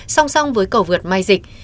song song với cầu vượt mai dịch